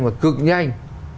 và cực nhanh